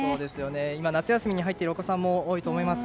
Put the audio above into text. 今、夏休みに入っているお子さんも多いと思います。